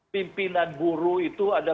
pimpinan buruh itu ada